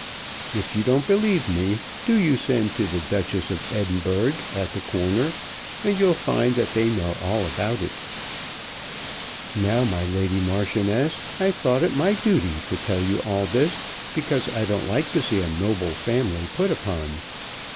If you don't believe me do you send to the 'Duchess of Edinburgh' at the corner, and you'll find that they know all about it. Now, my Lady Marchioness, I've thought it my duty to tell you all this because I don't like to see a noble family put upon.